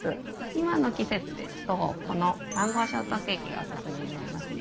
今の季節ですとこのマンゴーショートケーキがおすすめになりますね。